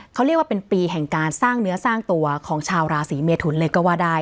เขาเรียกว่าเป็นปีแห่งการสร้างเนื้อสร้างตัวของชาวราศีเมทุนเลยก็ว่าได้